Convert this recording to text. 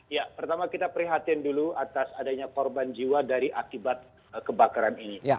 ya pertama kita prihatin dulu atas adanya korban jiwa dari akibat kebakaran ini